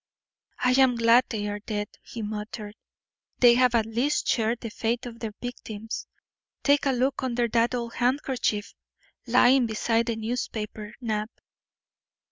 "I am glad they are dead," he muttered. "They have at least shared the fate of their victims. Take a look under that old handkerchief lying beside the newspaper, Knapp."